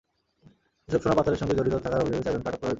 এসব সোনা পাচারের সঙ্গে জড়িত থাকার অভিযোগে চারজনকে আটক করা হয়েছে।